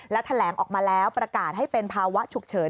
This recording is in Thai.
และแถลงออกมาแล้วประกาศให้เป็นภาวะฉุกเฉิน